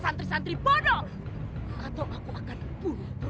sekarang semuanya telah berakhir